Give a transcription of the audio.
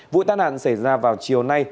vụ tai nạn xảy ra vào chiều nay